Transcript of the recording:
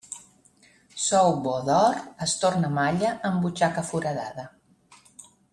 Sou bo d'or, es torna malla en butxaca foradada.